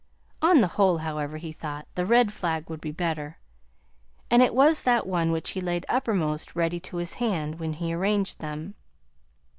On the whole, however, he thought the red flag would be better. And it was that one which he laid uppermost ready to his hand, when he arranged them.